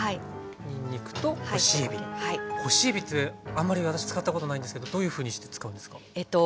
干しえびってあんまり私使ったことないんですけどどういうふうにして使うんですか？